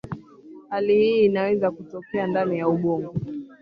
hali hii inaweza kutokea ndani ya ubongo